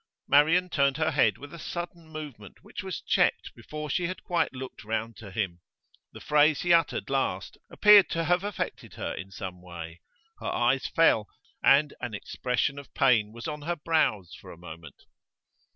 Marian turned her head with a sudden movement which was checked before she had quite looked round to him. The phrase he uttered last appeared to have affected her in some way; her eyes fell, and an expression of pain was on her brows for a moment.